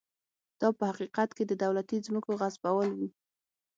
دا په حقیقت کې د دولتي ځمکو غصبول و.